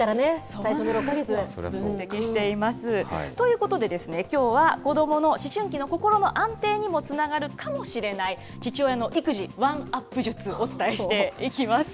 最初の６か月。ということでですね、きょうは子どもの思春期のココロの安定にもつながるかもしれない、父親の育児、ワンアップ術、お伝えしていきます。